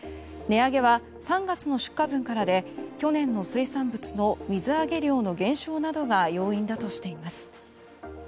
値上げは３月の出荷分からで去年の水産物の水揚げ量の減少などが要因だとしています。